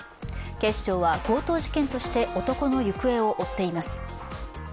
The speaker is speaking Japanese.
警視庁は強盗事件として男の行方を追っています。